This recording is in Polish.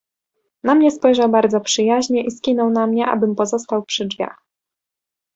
"Na mnie spojrzał bardzo przyjaźnie i skinął na mnie, abym pozostał przy drzwiach."